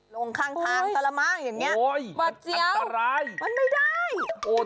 ลงข้างตลาดมากอย่างนี้ปัดเจียวมันไม่ได้โอ้ยอันตราย